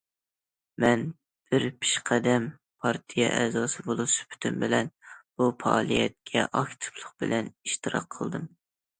مەن بىر پېشقەدەم پارتىيە ئەزاسى بولۇش سۈپىتىم بىلەن، بۇ پائالىيەتكە ئاكتىپلىق بىلەن ئىشتىراك قىلدىم.